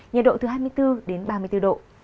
nhiệt độ từ hai mươi bốn đến ba mươi bốn độ